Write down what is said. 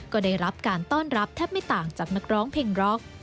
ก็ได้รับการต้อนรับแทบไม่ต่างจากนักร้องเพลงร็อก